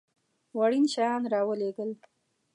وړین شیان را ولېږل.